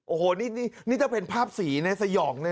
โอ้โหนี่จะเป็นภาพสีในสยองนะ